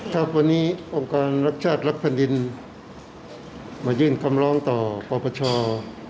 ครับวันนี้องค์การรักชาติรักษณ์ดินมายึ่งคำล้องต่อพประชา